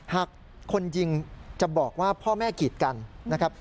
หากคนยิงจะบอกว่าพ่อแม่กีดกันนะครับ